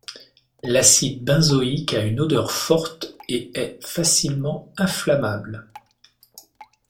L'acide benzoïque a une odeur forte et est facilement inflammable.